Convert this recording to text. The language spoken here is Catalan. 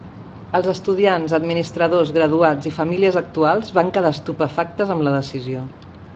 Els estudiants, administradors, graduats i famílies actuals van quedar estupefactes amb la decisió.